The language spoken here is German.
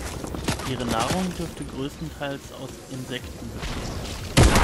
Ihre Nahrung dürfte größtenteils aus Insekten bestehen.